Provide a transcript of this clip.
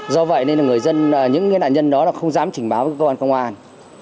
do vậy nên là những nạn nhân đó không dám trình báo với cơ quan công an